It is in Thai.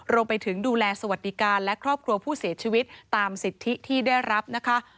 รวมไปถึงดูแลสวัสดิการและครอบครัวผู้เสียชีวิตตามสิทธิที่ได้รับนะคะ